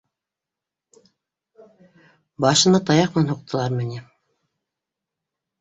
Башына таяҡ менән һуҡ тылармы ни